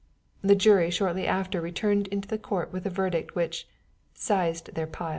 The jury shortly after returned into the court with a verdict which "sized their pile."